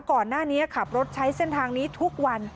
ก่อนหน้านี้ขับรถใช้เส้นทางนี้ทุกวัน